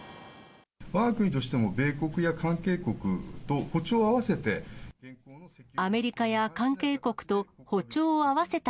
わが国としても、米国や関係国と歩調を合わせて。